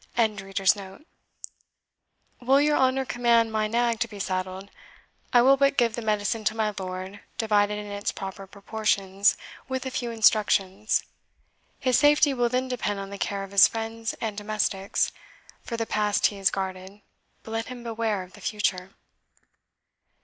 ] Will your honour command my nag to be saddled? I will but give the medicine to my lord, divided in its proper proportions, with a few instructions. His safety will then depend on the care of his friends and domestics; for the past he is guarded, but let him beware of the future."